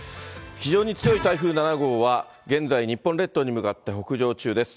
非常に強い台風７号は、現在、日本列島に向かって北上中です。